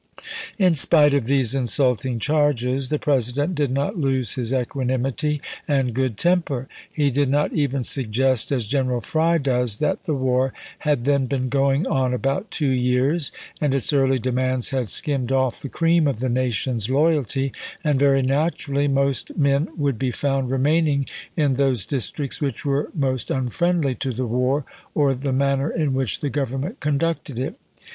Ibid In spite of these insulting charges the President did not lose his equanimity and good temper. He did not even suggest, as General Fry does, " that the war had then been going on about two years and its early demands had skimmed off the cream of the nation's loyalty, and very naturally most men would be found remaining in those districts which were most unfriendly to the war or the manner in which the Government conducted it."